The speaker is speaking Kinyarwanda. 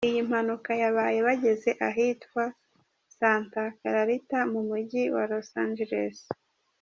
Iyi mpanuka yabaye bageze ahitwa Santa Clarita mu Mujyi wa Los Angeles.